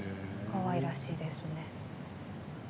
かわいらしいですね。